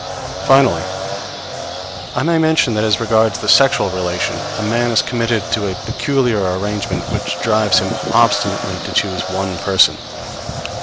Finally, I may mention that as regards the sexual relation, a man is committed to a peculiar arrangement which drives him obstinately to choose one person.